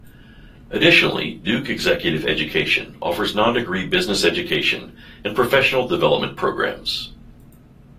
Additionally, Duke Executive Education offers non-degree business education and professional development programs.